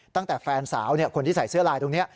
ตั้งแต่แฟนสาวคนที่ใส่เสื้อลายตรงนี้